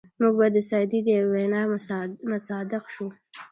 موږ به د سعدي د یوې وینا مصداق شو.